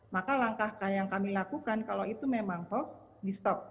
maka langkah yang kami lakukan kalau itu memang host di stop